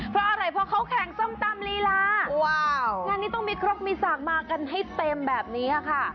เพราะอะไรเพราะเขาแข่งส้มตำลีลาวงานนี้ต้องมีครบมีสากมากันให้เต็มแบบนี้ค่ะ